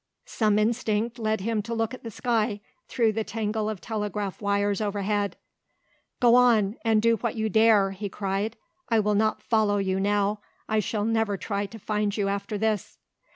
Some instinct led him to look at the sky through the tangle of telegraph wires overhead. "Go on and do what you dare!" he cried. "I will not follow you now. I shall never try to find you after this."